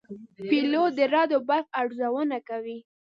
پیلوټ د رعد او برق ارزونه کوي.